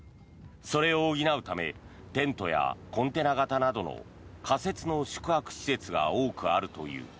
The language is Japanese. それを補うためテントやコンテナ型などの仮設の宿泊施設が多くあるという。